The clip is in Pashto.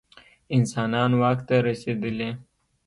انسانان واک ته رسېدلي.